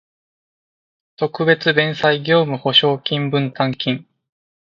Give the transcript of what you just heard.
特別弁済業務保証金分担金